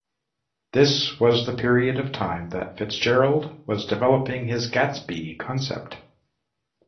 This was the period of time that Fitzgerald was developing his Gatsby concept.